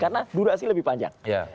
karena durasi lebih panjang